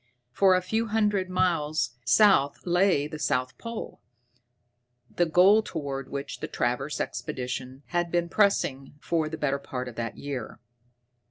For a hundred miles south lay the south pole, the goal toward which the Travers Expeditions had been pressing for the better part of that year.